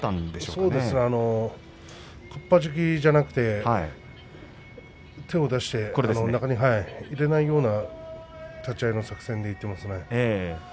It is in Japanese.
かっぱじきじゃなくて手を出して中に入れないような立ち合いの作戦でいっていますね。